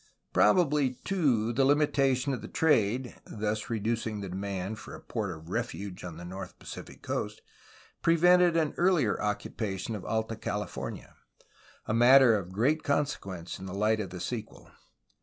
Probably, too, the lim itation of the trade (thus reducing the demand for a port of refuge on the north Pacific coast) prevented an earUer occu pation of Alta California, — a matter of great consequence in the light of the sequel!